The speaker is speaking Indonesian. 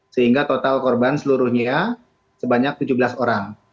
sehingga total korban seluruhnya sebanyak tujuh belas orang